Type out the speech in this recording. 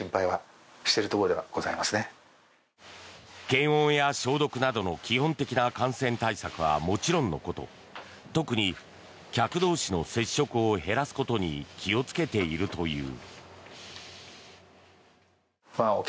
検温や消毒などの基本的な感染対策はもちろんのこと特に客同士の接触を減らすことに気をつけているという。